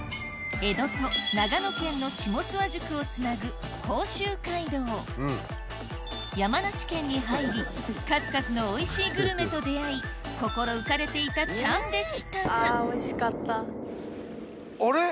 江戸と長野県の下諏訪宿をつなぐ山梨県に入り数々のおいしいグルメと出合い心浮かれていたチャンでしたがあれ？